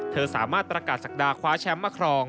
สามารถประกาศศักดาคว้าแชมป์มาครอง